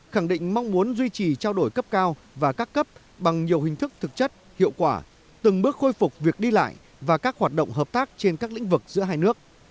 khẳng định mong muốn duy trì trao đổi cấp cao và các cấp bằng nhiều hình thức thực chất hiệu quả từng bước khôi phục việc đi lại và các hoạt động hợp tác trên các lĩnh vực giữa hai nước